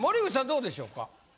どうでしょうか？